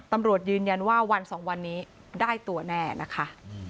ตำรวจยืนยันว่าวันสองวันนี้ได้ตัวแน่นะคะ